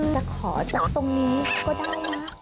จะขอจากตรงนี้ก็ได้นะ